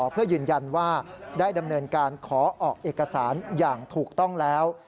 เพื่อยืนยันว่าได้ดำเนินการขอออกเอกสารอย่างถูกต้องแล้ว